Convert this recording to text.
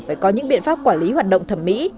phải có những biện pháp quản lý hoạt động thẩm mỹ